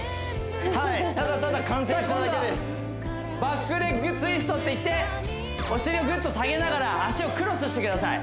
はいただただ観戦しただけですさあ今度はバックレッグツイストっていってお尻をぐっと下げながら脚をクロスしてください